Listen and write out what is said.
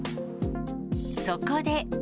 そこで。